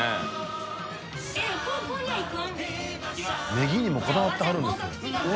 ねぎにもこだわってはるんですよ。